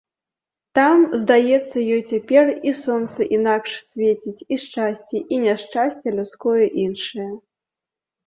Там, здаецца ёй цяпер, і сонца інакш свеціць, і шчасце, і няшчасце людское іншае.